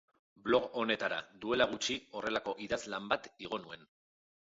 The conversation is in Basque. Blog honetara duela gutxi horrelako idazlan bat igo nuen.